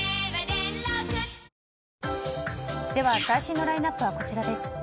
最新のラインアップはこちらです。